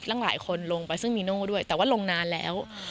หลายคนลงไปซึ่งมีโน่ด้วยแต่ว่าลงนานแล้ว